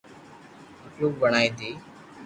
مخلوق بڻائي ٿي